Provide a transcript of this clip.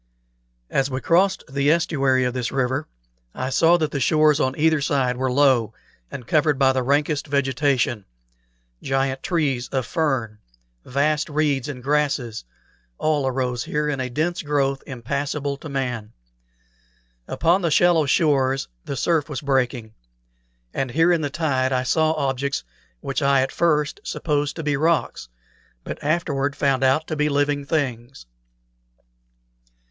As we crossed the estuary of this river I saw that the shores on either side were low, and covered with the rankest vegetation; giant trees of fern, vast reeds and grasses, all arose here in a dense growth impassable to man. Upon the shallow shores the surf was breaking; and here in the tide I saw objects which I at first supposed to be rocks, but afterward found out to be living things.